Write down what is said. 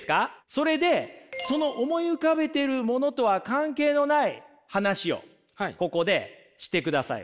それでその思い浮かべてるものとは関係のない話をここでしてください。